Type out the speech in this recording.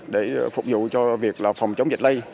để phục vụ cho việc phòng chống dịch lây